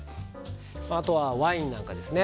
あとはワインなんかですね